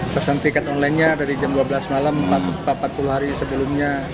pesan tiket online nya dari jam dua belas malam empat puluh hari sebelumnya